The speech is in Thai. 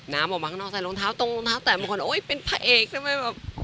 น้ำออกมาข้างนอกใส่รองเท้าตรงรองเท้าแต่มีคนโอ๊ยเป็นพระเอกทำไม